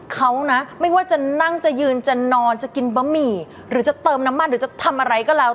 เขานะไม่ว่าจะนั่งจะยืนจะนอนจะกินบะหมี่หรือจะเติมน้ำมันหรือจะทำอะไรก็แล้ว